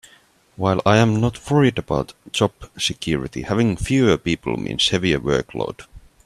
While I am not worried about job security, having fewer people means a heavier workload.